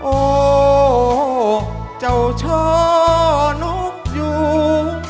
โอ้เจ้าช่อนกอยู่